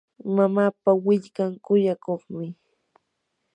mamapa willkan kuyakuqmi.